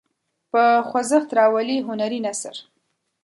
په خوځښت راولي هنري نثر.